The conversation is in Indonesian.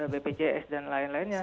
bpjs dan lain lainnya